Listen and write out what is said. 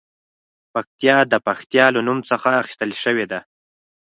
پکتیا د پښتیا له نوم څخه اخیستل شوې ده